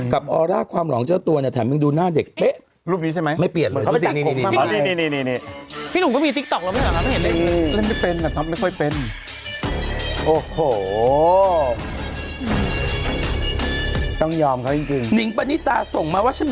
กับออร่าความหล่อของเจ้าตัวเนี่ยแถมยังดูหน้าเด็กเป๊ะ